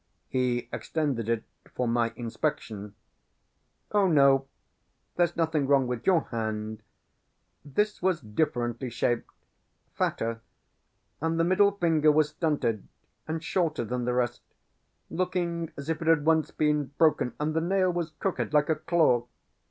He extended it for my inspection. "Oh no; there's nothing wrong with your hand. This was differently shaped; fatter; and the middle finger was stunted, and shorter than the rest, looking as if it had once been broken, and the nail was crooked like a claw.